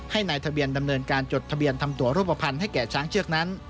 ให้นายทะเบียนดำเนินการจดทะเบียนทำตัวรูปภัณฑ์ให้แก่ช้างเชือกนั้น